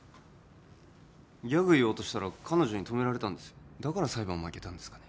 ギャグ言おうとしたら彼女に止められたんですだから裁判負けたんですかね？